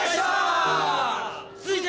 ・続いて！